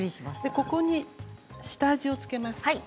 ここに下味を付けます。